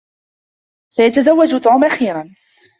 سيتزوج توم أخيرا.